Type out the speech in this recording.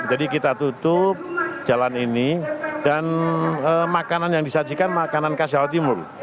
jadi kita tutup jalan ini dan makanan yang disajikan makanan kc timur